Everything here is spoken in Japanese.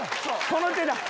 この手だ。